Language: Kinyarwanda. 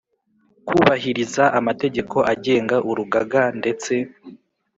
Kubahiriza amategeko agenga urugaga ndetse